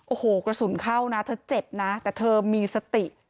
โอ้โหกระสุนเข้านะเธอเจ็บนะแต่เธอมีสติ